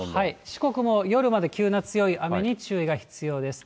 四国も夜まで急な強い雨に注意が必要です。